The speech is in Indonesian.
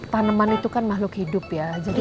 tanaman itu kan mahluk hidup ya jadi